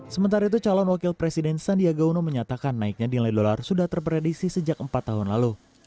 sementara itu calon wakil presiden sandiaga uno menyatakan naiknya nilai dolar sudah terprediksi sejak empat tahun lalu